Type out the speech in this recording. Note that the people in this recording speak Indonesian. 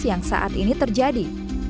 yang saat ini terjadi